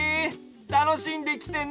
たのしんできてね。